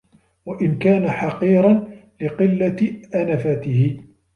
وَإِنْ كَانَ حَقِيرًا لِقِلَّةِ أَنَفَتِهِ